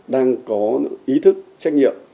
đang có ý thức trách nhiệm